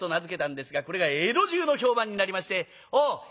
これが江戸中の評判になりまして。